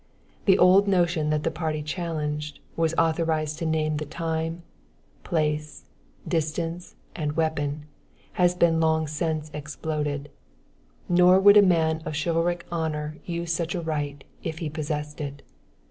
The old notion that the party challenged, was authorized to name the time, place, distance and weapon, has been long since exploded; nor would a man of chivalric honor use such a right, if he possessed it.